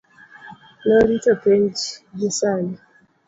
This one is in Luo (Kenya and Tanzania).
norito penj gi sani